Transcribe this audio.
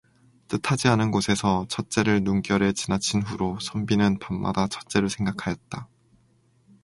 뜻하지 않은 곳에서 첫째를 눈결에 지나친 후로 선비는 밤마다 첫째를 생각하였다.